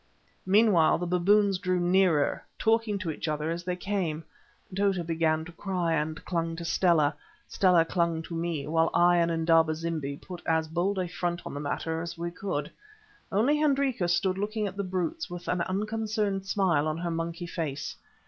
Meanwhile the baboons drew nearer, talking to each other as they came. Tota began to cry, and clung to Stella. Stella clung to me, while I and Indaba zimbi put as bold a front on the matter as we could. Only Hendrika stood looking at the brutes with an unconcerned smile on her monkey face.